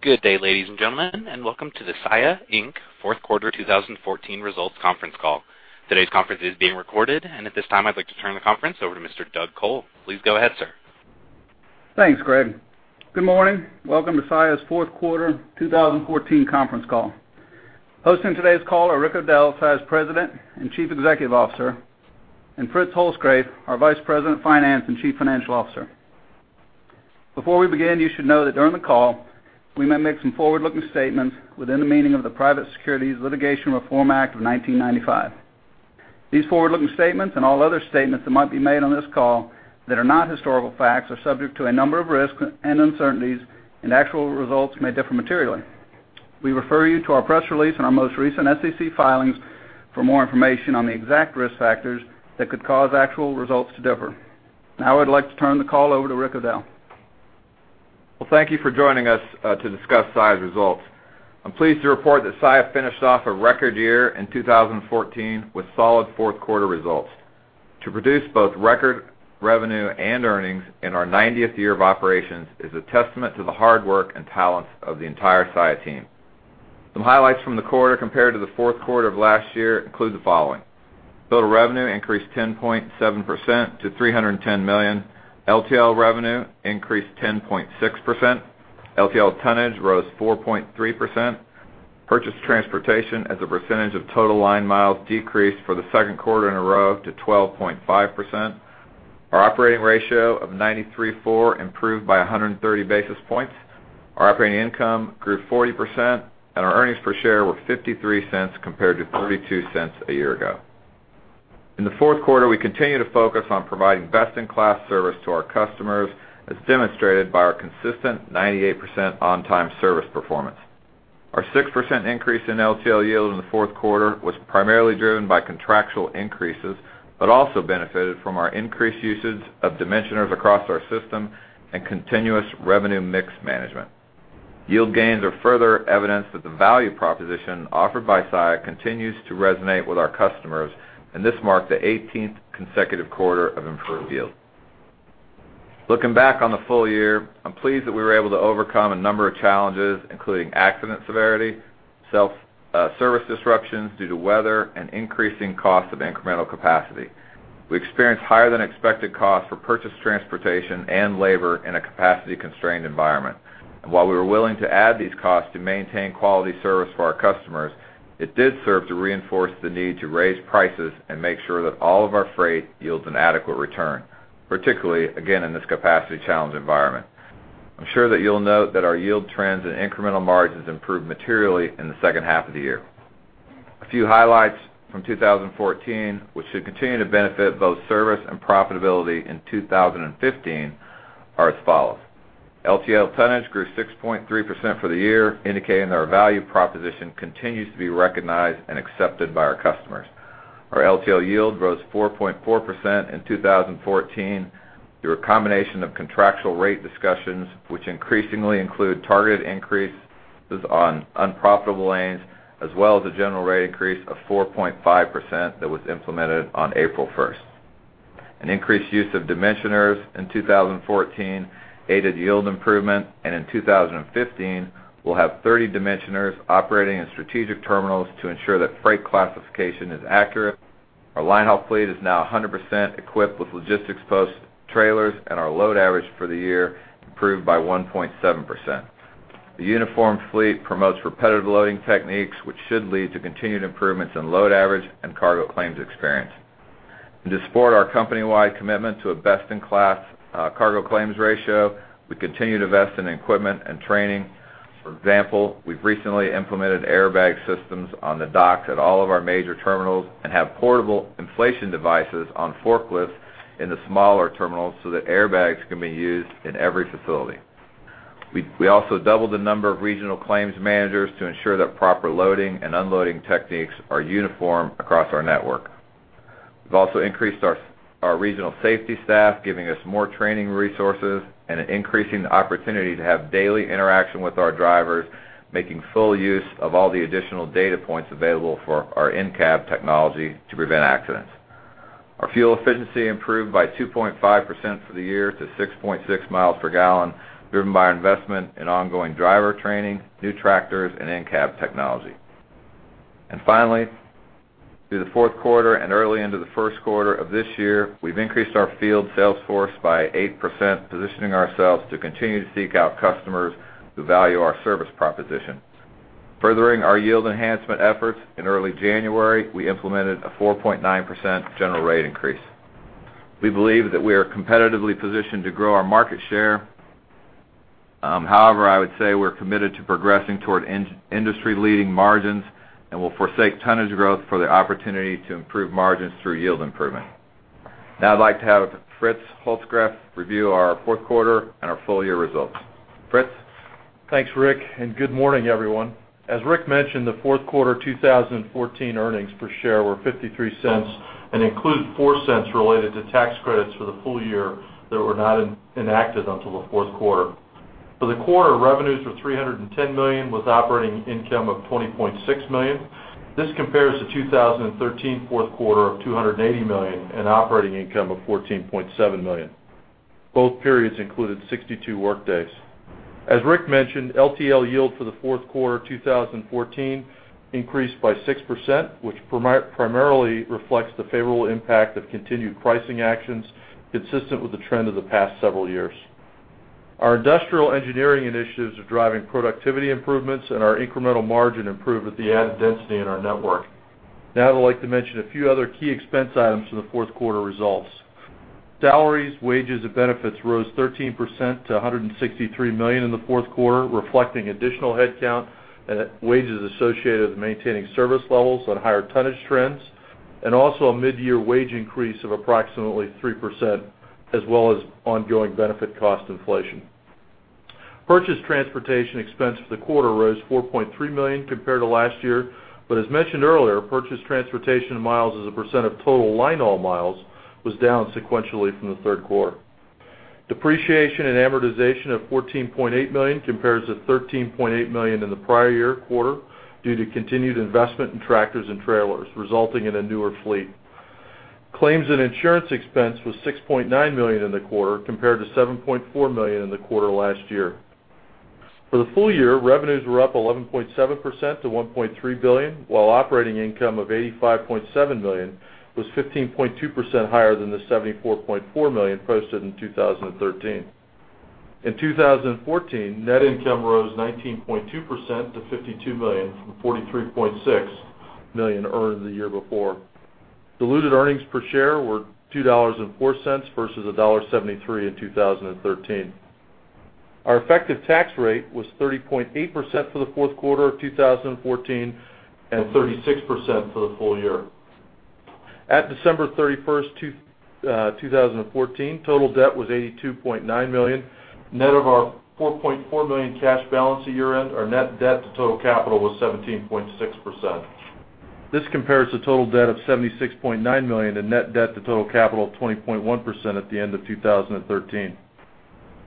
Good day, ladies and gentlemen, and welcome to the Saia, Inc. Fourth Quarter 2014 Results Conference Call. Today's conference is being recorded, and at this time, I'd like to turn the conference over to Mr. Doug Col. Please go ahead, sir. Thanks, Greg. Good morning. Welcome to Saia's fourth quarter 2014 conference call. Hosting today's call are Rick O'Dell, Saia's President and Chief Executive Officer, and Fritz Holzgrefe, our Vice President of Finance and Chief Financial Officer. Before we begin, you should know that during the call, we may make some forward-looking statements within the meaning of the Private Securities Litigation Reform Act of 1995. These forward-looking statements, and all other statements that might be made on this call that are not historical facts, are subject to a number of risks and uncertainties, and actual results may differ materially. We refer you to our press release and our most recent SEC filings for more information on the exact risk factors that could cause actual results to differ. Now, I'd like to turn the call over to Rick O'Dell. Well, thank you for joining us to discuss Saia's results. I'm pleased to report that Saia finished off a record year in 2014 with solid fourth quarter results. To produce both record revenue and earnings in our 90th year of operations is a testament to the hard work and talents of the entire Saia team. Some highlights from the quarter compared to the fourth quarter of last year include the following: total revenue increased 10.7% to $310 million, LTL revenue increased 10.6%, LTL tonnage rose 4.3%, purchased transportation as a percentage of total line miles decreased for the second quarter in a row to 12.5%. Our operating ratio of 93.4 improved by 130 basis points. Our operating income grew 40%, and our earnings per share were $0.53 compared to $0.32 a year ago. In the fourth quarter, we continued to focus on providing best-in-class service to our customers, as demonstrated by our consistent 98% on-time service performance. Our 6% increase in LTL yield in the fourth quarter was primarily driven by contractual increases, but also benefited from our increased usage of dimensioners across our system and continuous revenue mix management. Yield gains are further evidence that the value proposition offered by Saia continues to resonate with our customers, and this marked the 18th consecutive quarter of improved yield. Looking back on the full year, I'm pleased that we were able to overcome a number of challenges, including accident severity, service disruptions due to weather and increasing costs of incremental capacity. We experienced higher-than-expected costs for purchased transportation and labor in a capacity-constrained environment. And while we were willing to add these costs to maintain quality service for our customers, it did serve to reinforce the need to raise prices and make sure that all of our freight yields an adequate return, particularly, again, in this capacity-challenged environment. I'm sure that you'll note that our yield trends and incremental margins improved materially in the second half of the year. A few highlights from 2014, which should continue to benefit both service and profitability in 2015, are as follows: LTL tonnage grew 6.3% for the year, indicating that our value proposition continues to be recognized and accepted by our customers. Our LTL yield rose 4.4% in 2014 through a combination of contractual rate discussions, which increasingly include targeted increases on unprofitable lanes, as well as a general rate increase of 4.5% that was implemented on April 1. An increased use of dimensioners in 2014 aided yield improvement, and in 2015, we'll have 30 dimensioners operating in strategic terminals to ensure that freight classification is accurate. Our line haul fleet is now 100% equipped with logistics post trailers, and our load average for the year improved by 1.7%. The uniform fleet promotes repetitive loading techniques, which should lead to continued improvements in load average and cargo claims experience. And to support our company-wide commitment to a best-in-class cargo claims ratio, we continue to invest in equipment and training. For example, we've recently implemented airbag systems on the docks at all of our major terminals and have portable inflation devices on forklifts in the smaller terminals so that airbags can be used in every facility. We also doubled the number of regional claims managers to ensure that proper loading and unloading techniques are uniform across our network. We've also increased our regional safety staff, giving us more training resources and increasing the opportunity to have daily interaction with our drivers, making full use of all the additional data points available for our in-cab technology to prevent accidents. Our fuel efficiency improved by 2.5% for the year to 6.6 miles per gallon, driven by our investment in ongoing driver training, new tractors, and in-cab technology. And finally, through the fourth quarter and early into the first quarter of this year, we've increased our field sales force by 8%, positioning ourselves to continue to seek out customers who value our service proposition. Furthering our yield enhancement efforts, in early January, we implemented a 4.9% general rate increase. We believe that we are competitively positioned to grow our market share. However, I would say we're committed to progressing toward industry-leading margins and will forsake tonnage growth for the opportunity to improve margins through yield improvement. Now I'd like to have Fritz Holzgrefe review our fourth quarter and our full-year results. Fritz? Thanks, Rick, and good morning, everyone. As Rick mentioned, the fourth quarter 2014 earnings per share were $0.53 and include $0.04 related to tax credits for the full year that were not enacted until the fourth quarter. For the quarter, revenues were $310 million, with operating income of $20.6 million. This compares to 2013 fourth quarter of $280 million in operating income of $14.7 million. Both periods included 62 workdays. As Rick mentioned, LTL yield for the fourth quarter 2014 increased by 6%, which primarily reflects the favorable impact of continued pricing actions, consistent with the trend of the past several years. Our industrial engineering initiatives are driving productivity improvements, and our incremental margin improved with the added density in our network. Now I'd like to mention a few other key expense items from the fourth quarter results. Salaries, wages, and benefits rose 13% to $163 million in the fourth quarter, reflecting additional headcount and wages associated with maintaining service levels on higher tonnage trends, and also a midyear wage increase of approximately 3%, as well as ongoing benefit cost inflation. Purchased transportation expense for the quarter rose $4.3 million compared to last year, but as mentioned earlier, purchased transportation miles as a percent of total line haul miles was down sequentially from the third quarter. Depreciation and amortization of $14.8 million compares to $13.8 million in the prior year quarter due to continued investment in tractors and trailers, resulting in a newer fleet. Claims and insurance expense was $6.9 million in the quarter, compared to $7.4 million in the quarter last year. For the full year, revenues were up 11.7% to $1.3 billion, while operating income of $85.7 million was 15.2% higher than the $74.4 million posted in 2013. In 2014, net income rose 19.2% to $52 million from $43.6 million earned the year before. Diluted earnings per share were $2.04 versus $1.73 in 2013. Our effective tax rate was 30.8% for the fourth quarter of 2014, and 36% for the full year. At December 31, 2014, total debt was $82.9 million, net of our $4.4 million cash balance at year-end. Our net debt to total capital was 17.6%. This compares to total debt of $76.9 million and net debt to total capital of 20.1% at the end of 2013.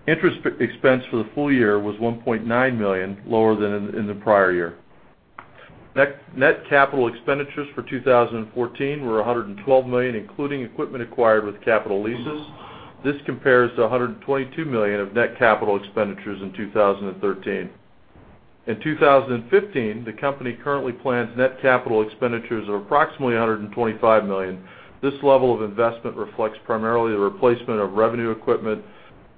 Interest expense for the full year was $1.9 million, lower than in the prior year. Net capital expenditures for 2014 were $112 million, including equipment acquired with capital leases. This compares to $122 million of net capital expenditures in 2013. In 2015, the company currently plans net capital expenditures of approximately $125 million. This level of investment reflects primarily the replacement of revenue equipment,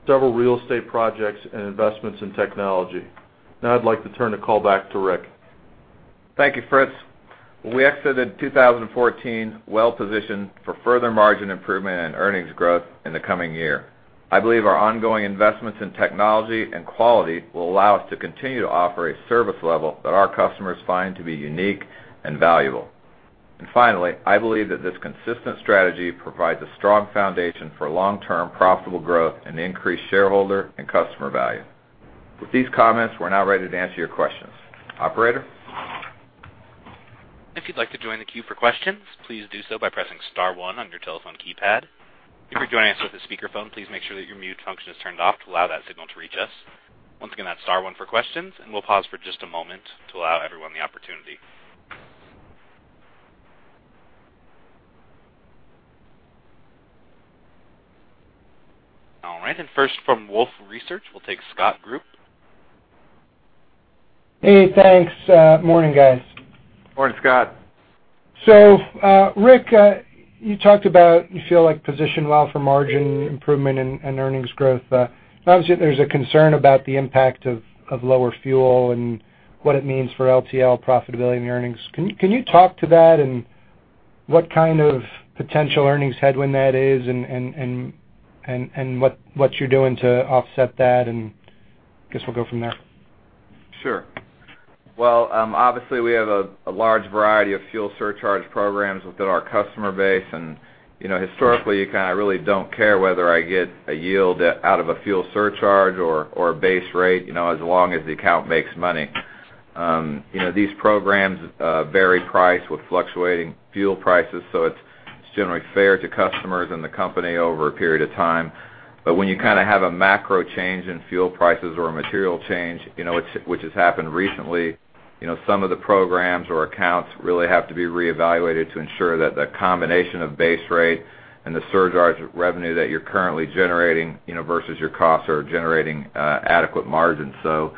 several real estate projects, and investments in technology. Now, I'd like to turn the call back to Rick. Thank you, Fritz. We exited 2014 well-positioned for further margin improvement and earnings growth in the coming year. I believe our ongoing investments in technology and quality will allow us to continue to offer a service level that our customers find to be unique and valuable. And finally, I believe that this consistent strategy provides a strong foundation for long-term profitable growth and increased shareholder and customer value. With these comments, we're now ready to answer your questions. Operator? If you'd like to join the queue for questions, please do so by pressing star one on your telephone keypad. If you're joining us with a speakerphone, please make sure that your mute function is turned off to allow that signal to reach us. Once again, that's star one for questions, and we'll pause for just a moment to allow everyone the opportunity. All right, and first, from Wolfe Research, we'll take Scott Group. Hey, thanks. Morning, guys. Morning, Scott. So, Rick, you talked about you feel, like, positioned well for margin improvement and earnings growth. Obviously, there's a concern about the impact of lower fuel and what it means for LTL profitability and earnings. Can you talk to that and what kind of potential earnings headwind that is and what you're doing to offset that? And I guess we'll go from there. Sure. Well, obviously, we have a large variety of fuel surcharge programs within our customer base, and, you know, historically, you kind of really don't care whether I get a yield out of a fuel surcharge or a base rate, you know, as long as the account makes money. You know, these programs vary price with fluctuating fuel prices, so it's generally fair to customers and the company over a period of time. But when you kind of have a macro change in fuel prices or a material change, you know, which has happened recently, you know, some of the programs or accounts really have to be reevaluated to ensure that the combination of base rate and the surcharge revenue that you're currently generating, you know, versus your costs, are generating adequate margins. So,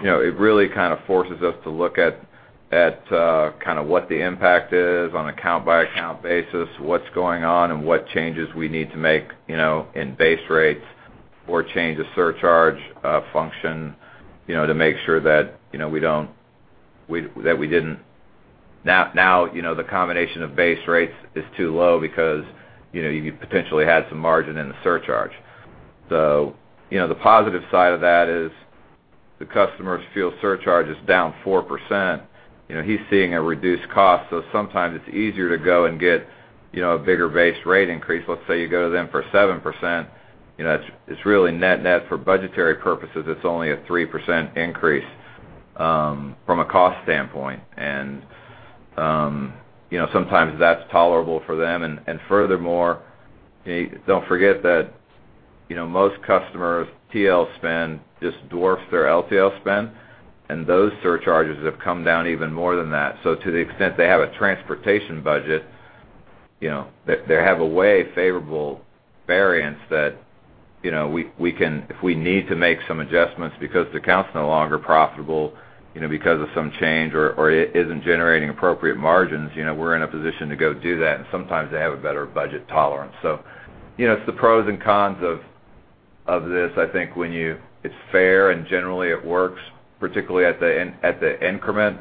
you know, it really kind of forces us to look at kind of what the impact is on account-by-account basis, what's going on, and what changes we need to make, you know, in base rates or change the surcharge function, you know, to make sure that, you know, we don't—we, that we didn't. Now, you know, the combination of base rates is too low because, you know, you potentially had some margin in the surcharge. So, you know, the positive side of that is the customer's fuel surcharge is down 4%. You know, he's seeing a reduced cost, so sometimes it's easier to go and get, you know, a bigger base rate increase. Let's say you go to them for 7%, you know, it's really net-net. For budgetary purposes, it's only a 3% increase from a cost standpoint. And, you know, sometimes that's tolerable for them. And, furthermore, don't forget that you know, most customers, TL spend just dwarfs their LTL spend, and those surcharges have come down even more than that. So to the extent they have a transportation budget, you know, they have a way favorable variance that, you know, we can, if we need to make some adjustments because the account's no longer profitable, you know, because of some change or it isn't generating appropriate margins, you know, we're in a position to go do that, and sometimes they have a better budget tolerance. So, you know, it's the pros and cons of this. I think when you it's fair, and generally it works, particularly at the increment.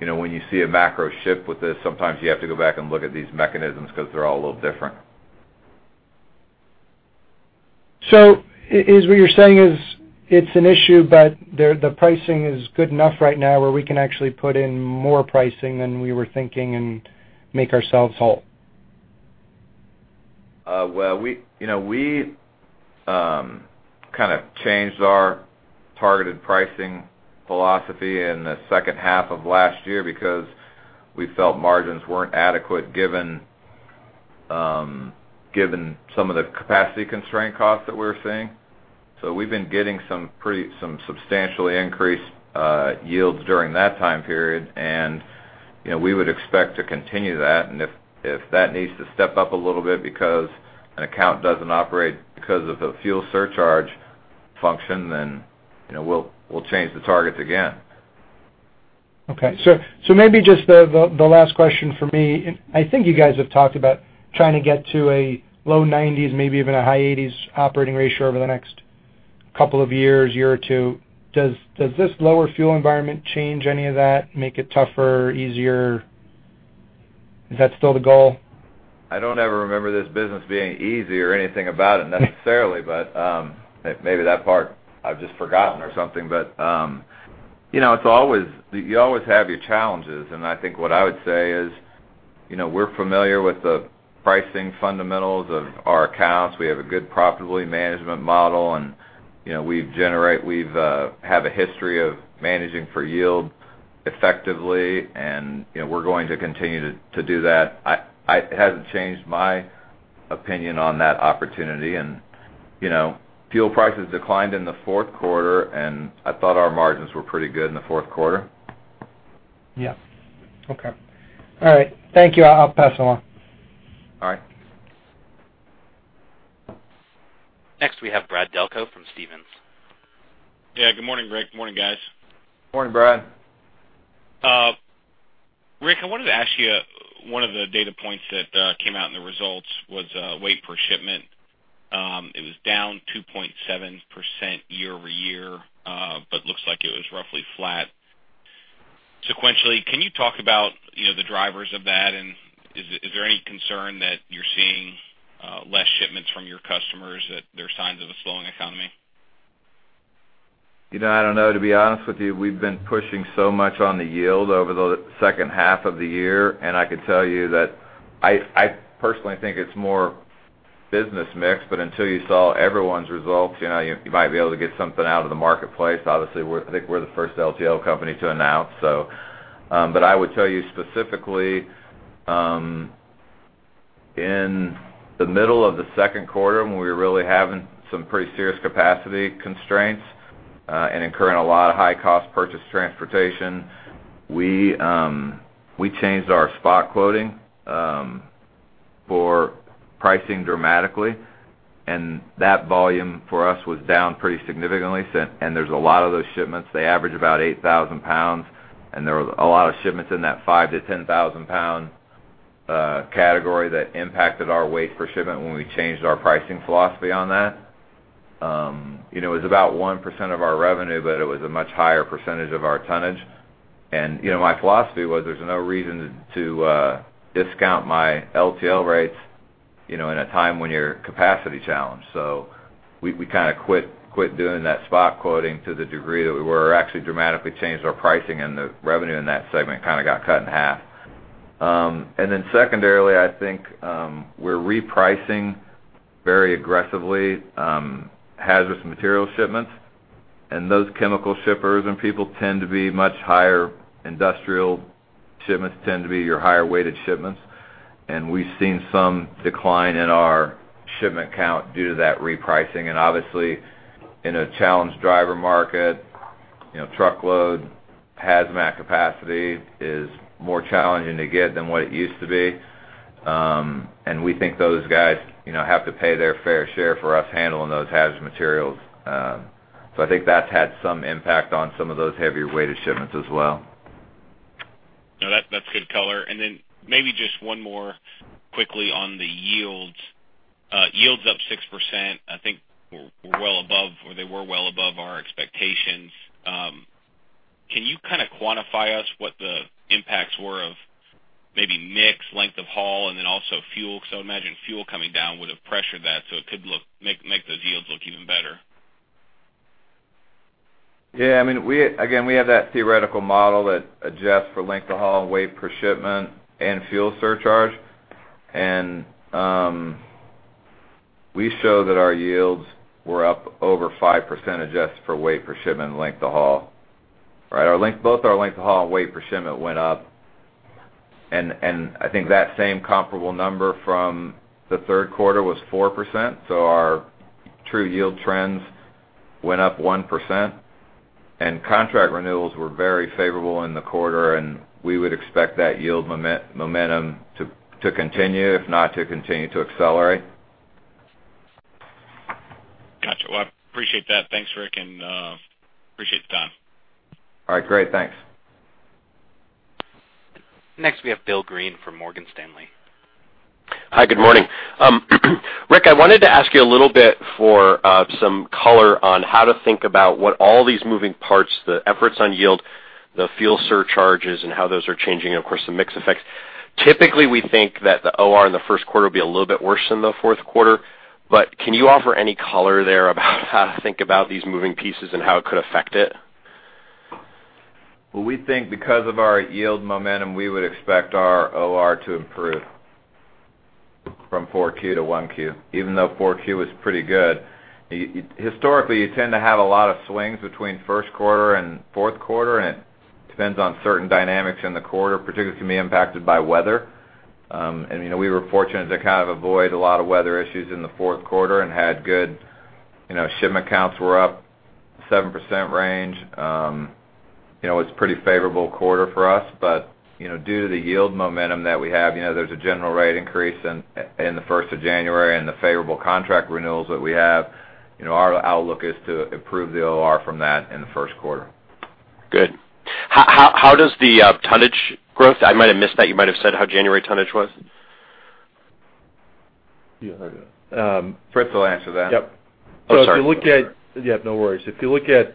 You know, when you see a macro shift with this, sometimes you have to go back and look at these mechanisms because they're all a little different. Is what you're saying is, it's an issue, but the pricing is good enough right now where we can actually put in more pricing than we were thinking and make ourselves whole? Well, we, you know, we kind of changed our targeted pricing philosophy in the second half of last year because we felt margins weren't adequate, given some of the capacity constraint costs that we were seeing. So we've been getting some substantially increased yields during that time period, and, you know, we would expect to continue that. And if that needs to step up a little bit because an account doesn't operate because of a fuel surcharge function, then, you know, we'll change the targets again. Okay. So maybe just the last question for me. I think you guys have talked about trying to get to a low 90s, maybe even a high 80s operating ratio over the next couple of years or two. Does this lower fuel environment change any of that, make it tougher, easier? Is that still the goal? I don't ever remember this business being easy or anything about it necessarily, but maybe that part I've just forgotten or something. But you know, it's always... You always have your challenges, and I think what I would say is, you know, we're familiar with the pricing fundamentals of our accounts. We have a good profitability management model, and you know, we have a history of managing for yield effectively, and you know, we're going to continue to do that. It hasn't changed my opinion on that opportunity. And you know, fuel prices declined in the fourth quarter, and I thought our margins were pretty good in the fourth quarter. Yeah. Okay. All right. Thank you. I'll pass along. All right. Next, we have Brad Delco from Stephens. Yeah. Good morning, Rick. Morning, guys. Morning, Brad. Rick, I wanted to ask you, one of the data points that came out in the results was weight per shipment. It was down 2.7% year-over-year, but looks like it was roughly flat sequentially. Can you talk about, you know, the drivers of that? And is there any concern that you're seeing less shipments from your customers, that there are signs of a slowing economy? You know, I don't know, to be honest with you, we've been pushing so much on the yield over the second half of the year, and I can tell you that I, I personally think it's more business mix. But until you saw everyone's results, you know, you might be able to get something out of the marketplace. Obviously, we're, I think we're the first LTL company to announce, so. But I would tell you specifically, in the middle of the second quarter, when we were really having some pretty serious capacity constraints, and incurring a lot of high-cost purchased transportation, we, we changed our spot quoting, for pricing dramatically, and that volume for us was down pretty significantly. So, and there's a lot of those shipments. They average about 8,000 lbs, and there were a lot of shipments in that 5,000-10,000-lbs category that impacted our weight per shipment when we changed our pricing philosophy on that. You know, it was about 1% of our revenue, but it was a much higher percentage of our tonnage. And, you know, my philosophy was, there's no reason to discount my LTL rates, you know, in a time when you're capacity challenged. So we, we kind of quit, quit doing that spot quoting to the degree that we were, actually dramatically changed our pricing, and the revenue in that segment kind of got cut in half. And then secondarily, I think, we're repricing very aggressively, hazardous material shipments. And those chemical shippers and people tend to be much higher... Industrial shipments tend to be your higher-weighted shipments, and we've seen some decline in our shipment count due to that repricing. And obviously, in a challenged driver market, you know, truckload, hazmat capacity is more challenging to get than what it used to be. And we think those guys, you know, have to pay their fair share for us handling those hazardous materials. So I think that's had some impact on some of those heavier-weighted shipments as well. No, that's good color. And then maybe just one more quickly on the yields. Yields up 6%, I think, were well above our expectations. Can you kind of quantify for us what the impacts were of maybe mix, length of haul, and then also fuel? Because I would imagine fuel coming down would have pressured that, so it could make those yields look even better. Yeah, I mean, we... Again, we have that theoretical model that adjusts for length of haul, weight per shipment, and fuel surcharge. And we show that our yields were up over 5%, adjusted for weight per shipment and length of haul. Right, our length—both our length of haul and weight per shipment went up. And I think that same comparable number from the third quarter was 4%, so our true yield trends went up 1%. And contract renewals were very favorable in the quarter, and we would expect that yield momentum to continue, if not to continue to accelerate. Got you. Well, I appreciate that. Thanks, Rick, and appreciate the time. All right, great. Thanks. Next, we have Bill Greene from Morgan Stanley. Hi, good morning. Rick, I wanted to ask you a little bit for some color on how to think about what all these moving parts, the efforts on yield, the fuel surcharges, and how those are changing, and, of course, the mix effect. Typically, we think that the OR in the first quarter will be a little bit worse than the fourth quarter. But can you offer any color there about how to think about these moving pieces and how it could affect it? Well, we think because of our yield momentum, we would expect our OR to improve from 4Q to 1Q, even though 4Q was pretty good. Historically, you tend to have a lot of swings between first quarter and fourth quarter, and it depends on certain dynamics in the quarter, particularly can be impacted by weather. And, you know, we were fortunate to kind of avoid a lot of weather issues in the fourth quarter and had good... You know, shipment counts were up 7% range. You know, it's a pretty favorable quarter for us, but, you know, due to the yield momentum that we have, there's a general rate increase in the first of January and the favorable contract renewals that we have, you know, our outlook is to improve the OR from that in the first quarter. Good. How does the tonnage growth? I might have missed that. You might have said how January tonnage was. Yeah, Fritz will answer that. Yep. Oh, sorry. So if you look at... Yeah, no worries. If you look at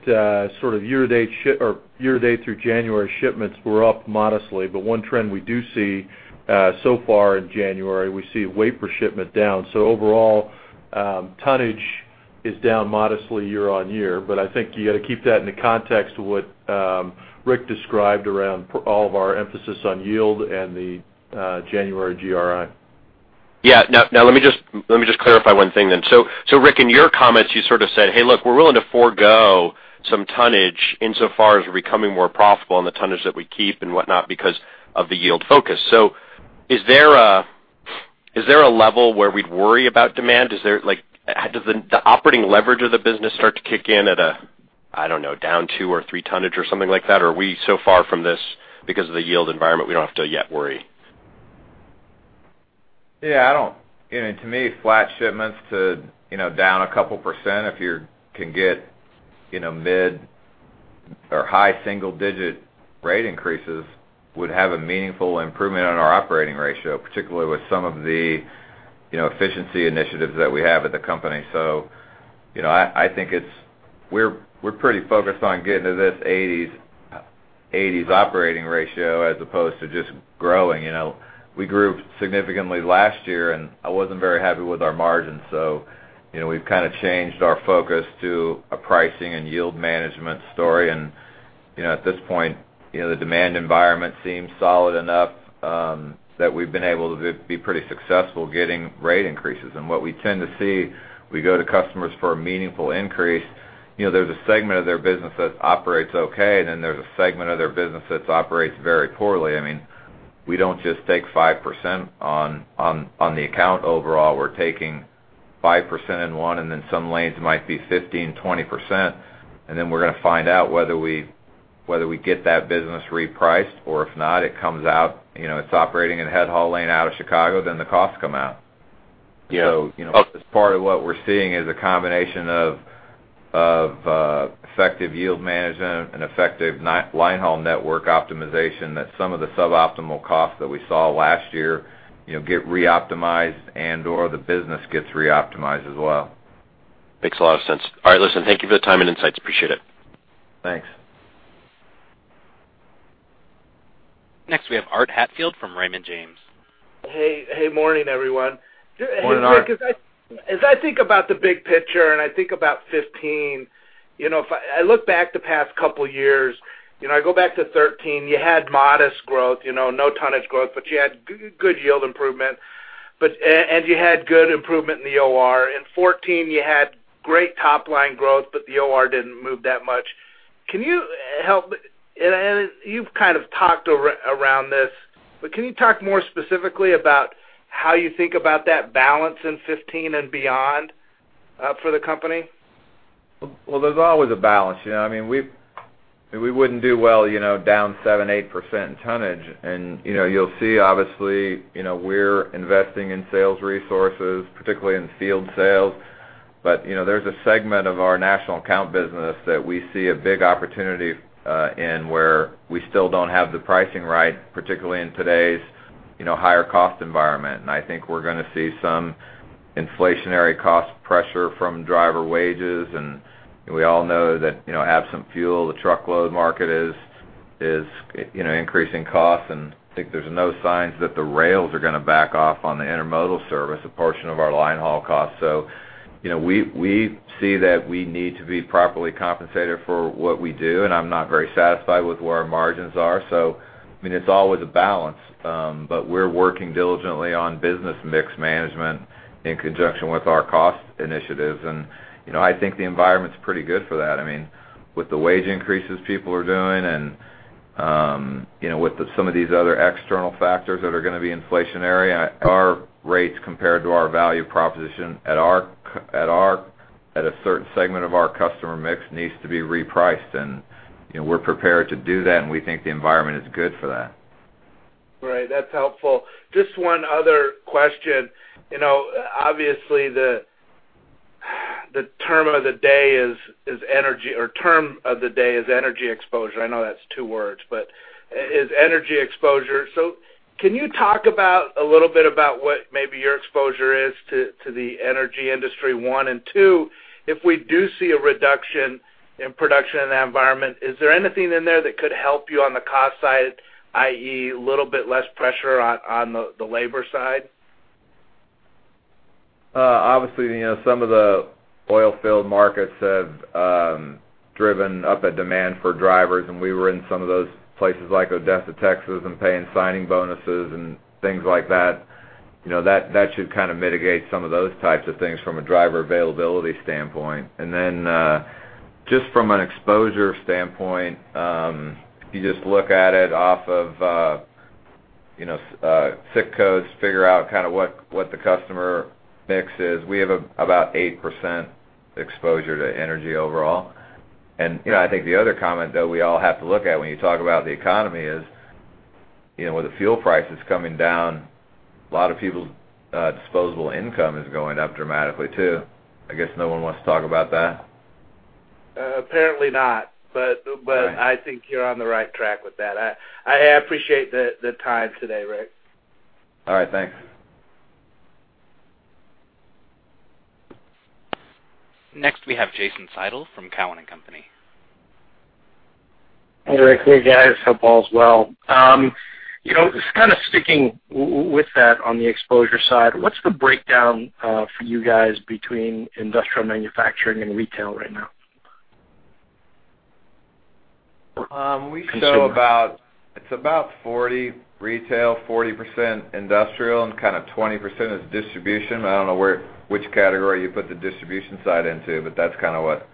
sort of year-to-date through January, shipments were up modestly, but one trend we do see so far in January, we see weight per shipment down. So overall, tonnage is down modestly year-over-year, but I think you got to keep that in the context of what Rick described around all of our emphasis on yield and the January GRI. Yeah. Now let me just clarify one thing then. So Rick, in your comments, you sort of said, "Hey, look, we're willing to forgo some tonnage insofar as we're becoming more profitable in the tonnage that we keep and whatnot because of the yield focus." So is there a level where we'd worry about demand? Is there, like, does the operating leverage of the business start to kick in at a, I don't know, down 2 or 3 tonnage or something like that? Or are we so far from this because of the yield environment, we don't have to yet worry? Yeah, I don't... You know, to me, flat shipments to, you know, down a couple percent, if you can get, you know, mid or high single-digit rate increases, would have a meaningful improvement on our operating ratio, particularly with some of the, you know, efficiency initiatives that we have at the company. So, you know, I, I think it's, we're, we're pretty focused on getting to this eighties, eighties operating ratio, as opposed to just growing. You know, we grew significantly last year, and I wasn't very happy with our margins, so, you know, we've kind of changed our focus to a pricing and yield management story. And, you know, at this point, you know, the demand environment seems solid enough, that we've been able to be pretty successful getting rate increases. What we tend to see, we go to customers for a meaningful increase, you know, there's a segment of their business that operates okay, and then there's a segment of their business that operates very poorly. I mean, we don't just take 5% on the account overall. We're taking 5% in one, and then some lanes might be 15%, 20%, and then we're going to find out whether we get that business repriced, or if not, it comes out, you know, it's operating in a head haul lane out of Chicago, then the costs come out. So, you know, part of what we're seeing is a combination of effective yield management and effective line haul network optimization, that some of the suboptimal costs that we saw last year, you know, get reoptimized and/or the business gets reoptimized as well. Makes a lot of sense. All right, listen, thank you for the time and insights. Appreciate it. Thanks. Next, we have Art Hatfield from Raymond James. Hey, hey. Morning, everyone. Morning, Art. As I think about the big picture, and I think about 2015, you know, if I look back the past couple of years, you know, I go back to 2013, you had modest growth, you know, no tonnage growth, but you had good yield improvement, but and you had good improvement in the OR. In 2014, you had great top-line growth, but the OR didn't move that much. Can you help? And you've kind of talked around this, but can you talk more specifically about how you think about that balance in 2015 and beyond, for the company? Well, there's always a balance. You know, I mean, we wouldn't do well, you know, down 7%-8% in tonnage. And, you know, you'll see, obviously, you know, we're investing in sales resources, particularly in field sales. But, you know, there's a segment of our national account business that we see a big opportunity in where we still don't have the pricing right, particularly in today's, you know, higher cost environment. And I think we're going to see some inflationary cost pressure from driver wages, and we all know that, you know, absent fuel, the truckload market is, you know, increasing costs. And I think there's no signs that the rails are going to back off on the intermodal service, a portion of our line haul costs. So, you know, we see that we need to be properly compensated for what we do, and I'm not very satisfied with where our margins are. So, I mean, it's always a balance, but we're working diligently on business mix management in conjunction with our cost initiatives. And, you know, I think the environment's pretty good for that. I mean, with the wage increases people are doing and, you know, with some of these other external factors that are going to be inflationary, our rates compared to our value proposition at a certain segment of our customer mix needs to be repriced, and, you know, we're prepared to do that, and we think the environment is good for that. Right. That's helpful. Just one other question. You know, obviously, the term of the day is energy exposure. I know that's two words, but energy exposure. So can you talk about a little bit about what maybe your exposure is to the energy industry, one? And two, if we do see a reduction in production in that environment, is there anything in there that could help you on the cost side, i.e., a little bit less pressure on the labor side? Obviously, you know, some of the oil field markets have driven up a demand for drivers, and we were in some of those places like Odessa, Texas, and paying signing bonuses and things like that. You know, that, that should kind of mitigate some of those types of things from a driver availability standpoint. And then, just from an exposure standpoint, if you just look at it off of, you know, ZIP codes, figure out kind of what, what the customer mix is, we have about 8% exposure to energy overall. And, you know, I think the other comment, though, we all have to look at when you talk about the economy is, you know, with the fuel prices coming down, a lot of people's disposable income is going up dramatically, too. I guess no one wants to talk about that? Apparently not. Right. But I think you're on the right track with that. I appreciate the time today, Rick. All right, thanks. Next, we have Jason Seidl from Cowen and Company. Hey, Rick. Hey, guys. Hope all is well. You know, just kind of sticking with that on the exposure side, what's the breakdown for you guys between industrial manufacturing and retail right now? We show it's about 40% retail, 40% industrial, and kind of 20% is distribution, but I don't know which category you put the distribution side into, but that's kind of what.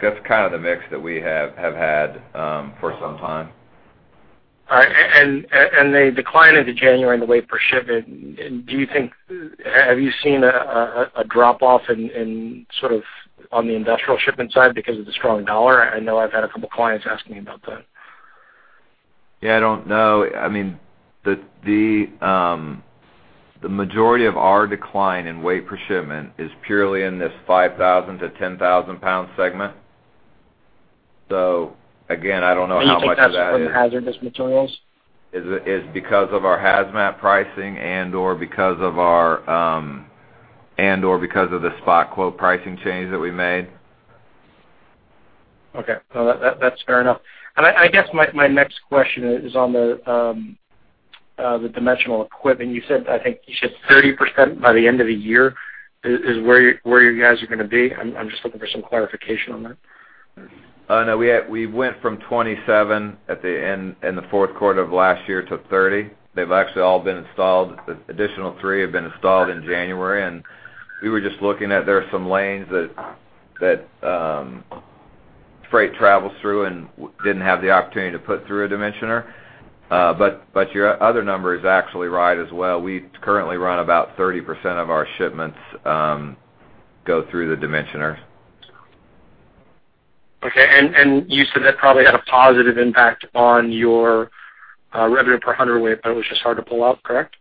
That's kind of the mix that we have had for some time. All right. And the decline into January and the weight per shipment, do you think, have you seen a drop-off in sort of on the industrial shipment side because of the strong dollar? I know I've had a couple clients asking me about that. Yeah, I don't know. I mean, the majority of our decline in weight per shipment is purely in this 5,000-10,000 lbs segment. So again, I don't know how much of that is- You take that from the hazardous materials? Is because of our hazmat pricing and/or because of our and/or because of the spot quote pricing change that we made. Okay. Well, that, that's fair enough. And I, I guess my, my next question is on the, the dimensional equipment. You said, I think you said 30% by the end of the year is, is where, where you guys are going to be? I'm, I'm just looking for some clarification on that. No, we had... We went from 27% at the end, in the fourth quarter of last year, to 30%. They've actually all been installed. The additional three have been installed in January, and we were just looking at, there are some lanes that, freight travels through and didn't have the opportunity to put through a dimensioner. But, your other number is actually right as well. We currently run about 30% of our shipments go through the dimensioners. Okay. You said that probably had a positive impact on your revenue per hundredweight, but it was just hard to pull out, correct?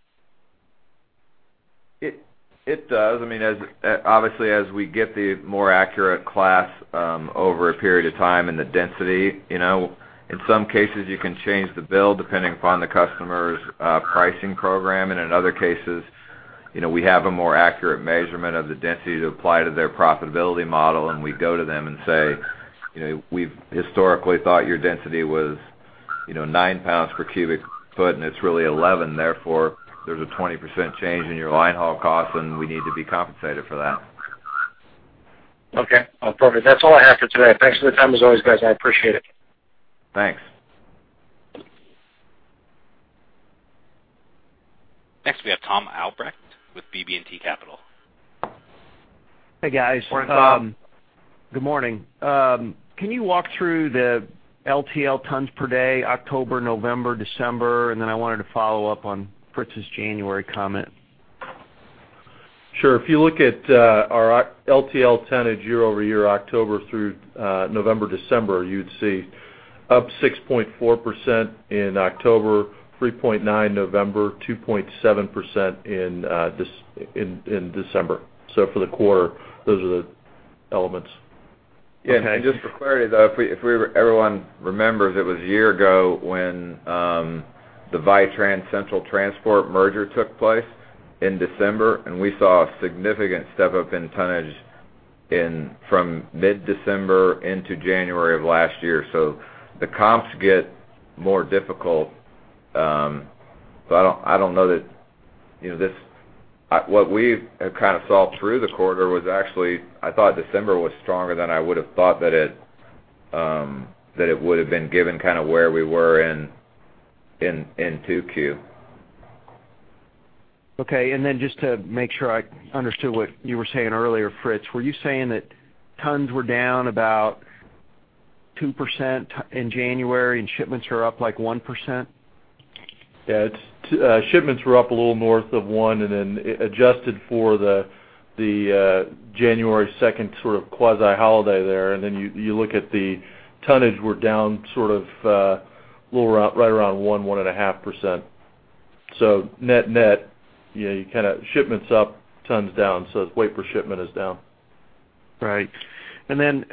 It does. I mean, as, obviously, as we get the more accurate class over a period of time and the density, you know, in some cases, you can change the bill depending upon the customer's pricing program. And in other cases, you know, we have a more accurate measurement of the density to apply to their profitability model, and we go to them and say, "You know, we've historically thought your density was, you know, 9 lb/cu ft, and it's really 11. Therefore, there's a 20% change in your line haul costs, and we need to be compensated for that. Okay. Well, perfect. That's all I have for today. Thanks for the time, as always, guys. I appreciate it. Thanks. Next, we have Tom Albrecht with BB&T Capital. Hey, guys. Morning, Tom. Good morning. Can you walk through the LTL tons per day, October, November, December? And then I wanted to follow up on Fritz's January comment. Sure. If you look at our LTL tonnage year-over-year, October through November, December, you'd see up 6.4% in October, 3.9% November, 2.7% in December. So for the quarter, those are the elements. Yeah, and just for clarity, though, if we, if we were, everyone remembers, it was a year ago when the Vitran Central Transport merger took place in December, and we saw a significant step up in tonnage in from mid-December into January of last year. So the comps get more difficult, so I don't, I don't know that, you know, this. What we've kind of saw through the quarter was actually, I thought December was stronger than I would have thought that it, that it would have been given kind of where we were in, in, in 2Q. Okay, and then just to make sure I understood what you were saying earlier, Fritz, were you saying that tons were down about 2% in January, and shipments are up, like, 1%? Yeah, it's shipments were up a little north of 1%, and then adjusted for the January second sort of quasi-holiday there. And then you look at the tonnage were down sort of a little around, right around 1%-1.5%. So net-net, yeah, you kind of shipments up, tons down, so its weight per shipment is down. Right. And then,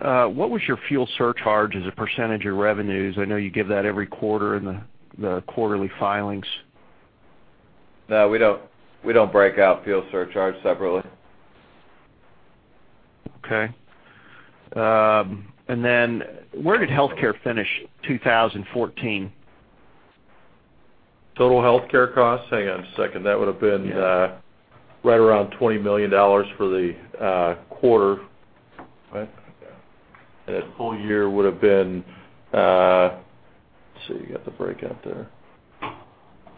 what was your fuel surcharge as a percentage of revenues? I know you give that every quarter in the quarterly filings. No, we don't, we don't break out fuel surcharge separately. Okay. And then where did healthcare finish 2014? Total healthcare costs? Hang on a second. That would have been right around $20 million for the quarter, right? And the full year would have been, let's see. You got the breakout there. A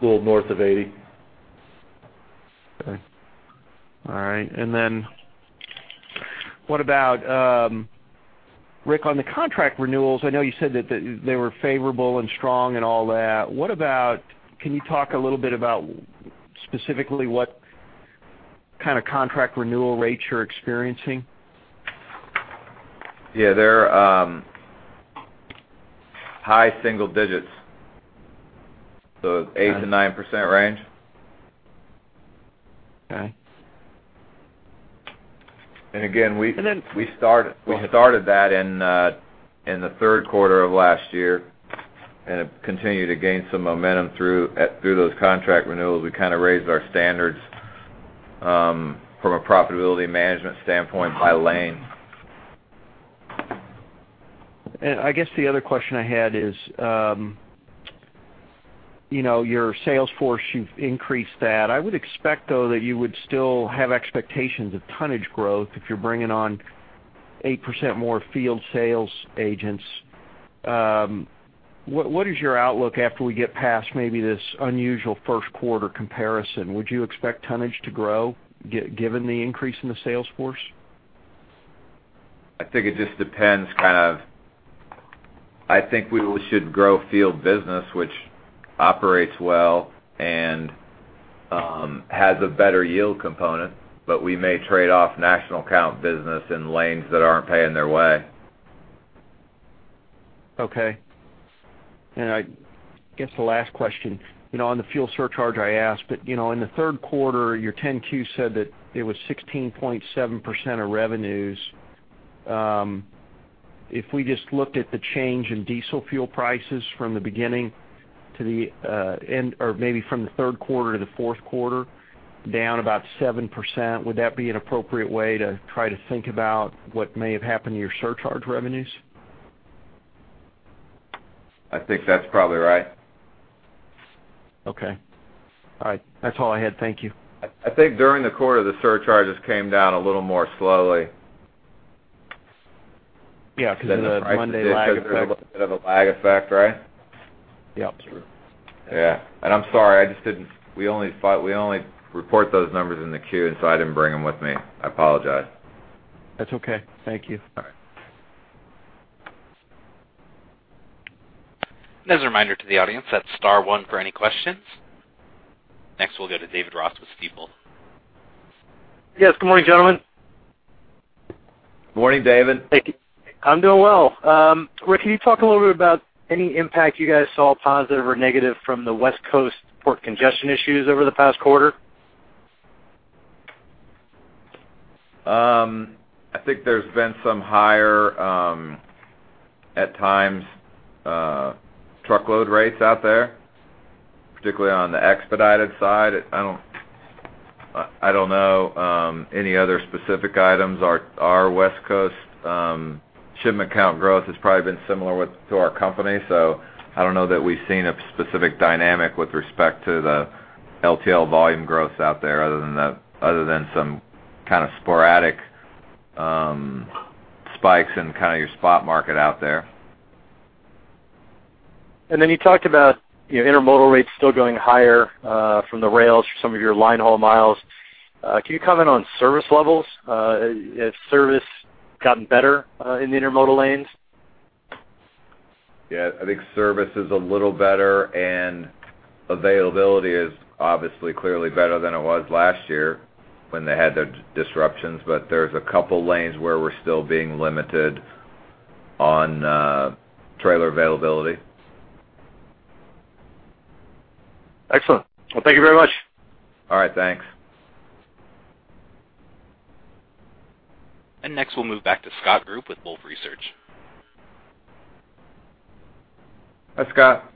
little north of $80 million. Okay. All right. And then what about, Rick, on the contract renewals, I know you said that, that they were favorable and strong and all that. What about—can you talk a little bit about specifically what kind of contract renewal rates you're experiencing? Yeah, they're high single digits, so 8%-9% range. Okay. And again, we- And then- We started that in the third quarter of last year, and it continued to gain some momentum through those contract renewals. We kind of raised our standards from a profitability management standpoint by lane. I guess the other question I had is, you know, your sales force, you've increased that. I would expect, though, that you would still have expectations of tonnage growth if you're bringing on 8% more field sales agents. What is your outlook after we get past maybe this unusual first quarter comparison? Would you expect tonnage to grow, given the increase in the sales force? I think it just depends kind of... I think we should grow field business, which operates well and has a better yield component, but we may trade off national account business in lanes that aren't paying their way. Okay. And I guess the last question, you know, on the fuel surcharge, I asked, but, you know, in the third quarter, your 10-Q said that it was 16.7% of revenues. If we just looked at the change in diesel fuel prices from the beginning to the, end, or maybe from the third quarter to the fourth quarter, down about 7%, would that be an appropriate way to try to think about what may have happened to your surcharge revenues? I think that's probably right. Okay. All right. That's all I had. Thank you. I think during the quarter, the surcharges came down a little more slowly. Yeah, because of the Monday lag effect. Bit of a lag effect, right? Yep. Yeah. I'm sorry, I just didn't. We only report those numbers in the Q, so I didn't bring them with me. I apologize. That's okay. Thank you. All right. As a reminder to the audience, that's star one for any questions. Next, we'll go to David Ross with Stifel. Yes, good morning, gentlemen. Good morning, David. Thank you. I'm doing well. Rick, can you talk a little bit about any impact you guys saw, positive or negative, from the West Coast port congestion issues over the past quarter? I think there's been some higher, at times, truckload rates out there, particularly on the expedited side. I don't know any other specific items. Our West Coast shipment count growth has probably been similar to our company, so I don't know that we've seen a specific dynamic with respect to the LTL volume growth out there, other than some kind of sporadic spikes in kind of your spot market out there. Then you talked about your intermodal rates still going higher from the rails for some of your line haul miles. Can you comment on service levels? Has service gotten better in the intermodal lanes? Yeah, I think service is a little better, and availability is obviously clearly better than it was last year when they had the disruptions, but there's a couple lanes where we're still being limited on trailer availability. Excellent. Well, thank you very much. All right, thanks. Next, we'll move back to Scott Group with Wolfe Research. Hi, Scott.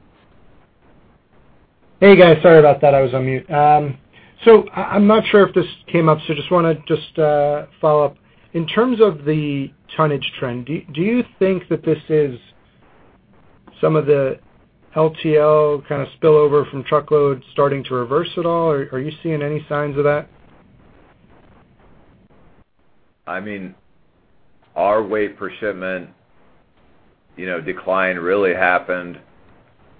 Hey, guys, sorry about that. I was on mute. So I'm not sure if this came up, so just wanna follow up. In terms of the tonnage trend, do you think that this is some of the LTL kind of spillover from truckload starting to reverse at all, or are you seeing any signs of that? I mean, our weight per shipment, you know, decline really happened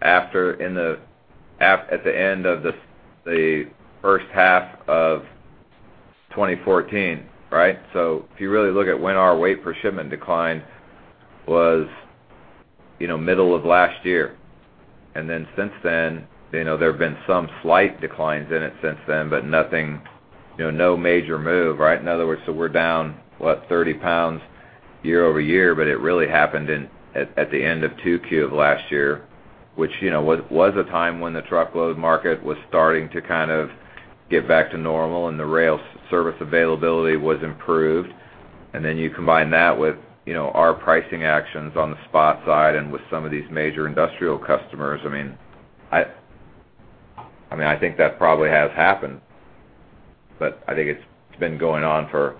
after at the end of the first half of 2014, right? So if you really look at when our weight per shipment declined, you know, middle of last year. And then since then, you know, there have been some slight declines in it since then, but nothing, you know, no major move, right? In other words, so we're down, what, 30 lbs year-over-year, but it really happened at the end of 2Q of last year, which, you know, was a time when the truckload market was starting to kind of get back to normal and the rail service availability was improved. And then you combine that with, you know, our pricing actions on the spot side and with some of these major industrial customers. I mean, I think that probably has happened, but I think it's been going on for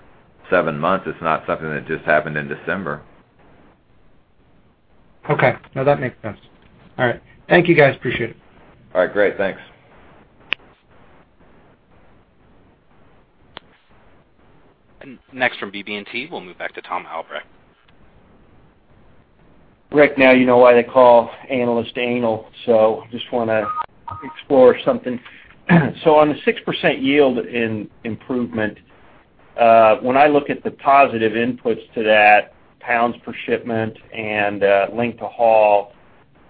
seven months. It's not something that just happened in December. Okay. No, that makes sense. All right. Thank you, guys. Appreciate it. All right, great. Thanks. Next from BB&T, we'll move back to Tom Albrecht. Rick, now you know why they call analysts anal, so just wanna explore something. On the 6% yield improvement, when I look at the positive inputs to that, pounds per shipment and length of haul,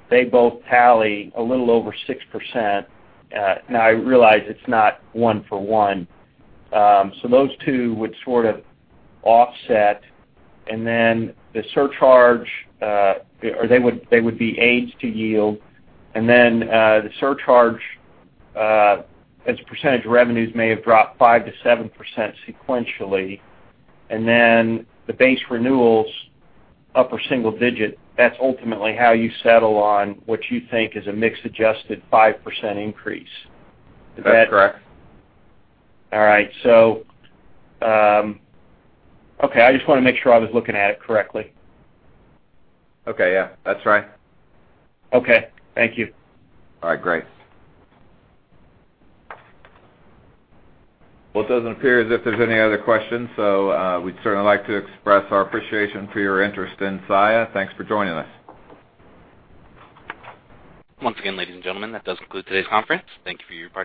they both tally a little over 6%. Now I realize it's not one for one. So those two would sort of offset, and then the surcharge, or they would, they would be aids to yield, and then the surcharge as a percentage of revenues may have dropped 5%-7% sequentially. And then the base renewals, upper single digit, that's ultimately how you settle on what you think is a mix-adjusted 5% increase. Is that- That's correct. All right. So, okay, I just wanna make sure I was looking at it correctly. Okay, yeah. That's right. Okay, thank you. All right, great. Well, it doesn't appear as if there's any other questions, so, we'd certainly like to express our appreciation for your interest in Saia. Thanks for joining us. Once again, ladies and gentlemen, that does conclude today's conference. Thank you for your participation.